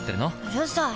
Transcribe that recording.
うるさい！